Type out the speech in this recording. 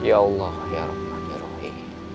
ya allah ya ruhi ya ruhi